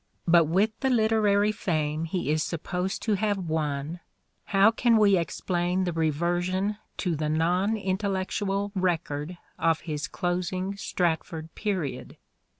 But with the literary fame he is supposed to have won, how can we explain 36 " SHAKESPEARE " IDENTIFIED the reversion to the non intellectual record of his closing Stratford period